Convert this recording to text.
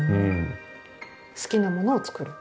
好きなものを作る？